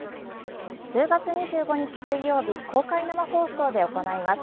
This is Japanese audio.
１０月２５日水曜日公開生放送で行います。